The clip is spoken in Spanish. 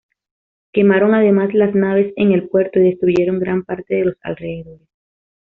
Quemaron además las naves en el puerto y destruyeron gran parte de los alrededores.